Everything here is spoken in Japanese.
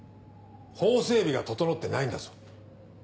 法整備が整ってないんだぞ。